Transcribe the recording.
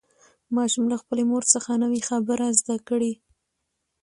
ماشوم له خپلې مور څخه نوې خبره زده کړه